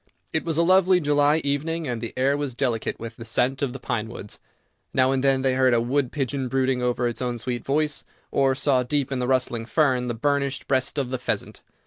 It was a lovely July evening, and the air was delicate with the scent of the pinewoods. Now and then they heard a wood pigeon brooding over its own sweet voice, or saw, deep in the rustling fern, the burnished breast of the pheasant.